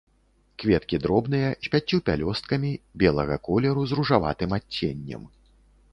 Кветкі дробныя, з пяццю пялёсткамі, белага колеру з ружаватым адценнем.